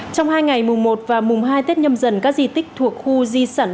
trong hai ngày mùa một và mùa hai tết nhâm dần các di tích thuộc khu di sản